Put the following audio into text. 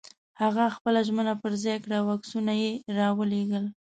هغه خپله ژمنه پر ځای کړه او عکسونه یې را ولېږل.